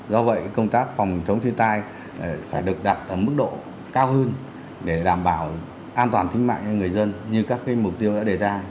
do vậy công tác phòng chống thiên tai phải được đặt ở mức độ cao hơn để đảm bảo an toàn tính mạng cho người dân như các mục tiêu đã đề ra